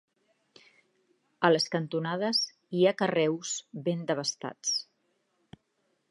A les cantonades hi ha carreus ben desbastats.